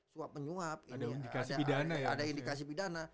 suap menyuap ini ada indikasi pidana